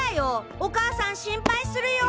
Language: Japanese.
お母さん心配するよ。